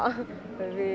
cả bệnh viện